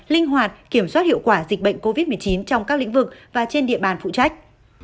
linh hoạt kiểm soát hiệu quả dịch bệnh covid một mươi chín trong các lĩnh vực và trên địa bàn phụ trách